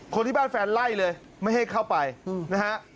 คนที่บ้านแฟนไล่เลยไม่ให้เข้าไปนะฮะ